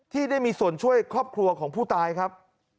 ที่ได้มีส่วนช่วยครอบครัวของผู้ตายครับ